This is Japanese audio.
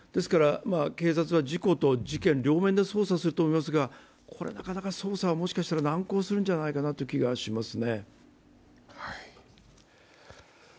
警察は事故と事件、両面で捜査すると思いますがこれはなかなか捜査は、もしかすると難航するんじゃないかと思いますね。